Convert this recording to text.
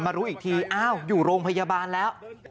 มารู้อีกทีอยู่โรงพยาบาลแล้ว